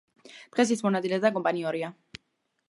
დღეს ის მონადირე და კომპანიონია.